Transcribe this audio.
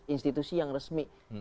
institusi yang resmi